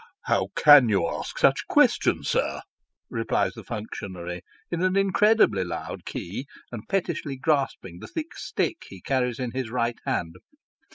" How can you ask such questions, sir ?" replies the functionary, in an incredibly loud key, and pettishly grasping the thick stick he carries in his right hand.